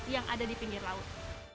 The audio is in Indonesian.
yang ada di pinggir laut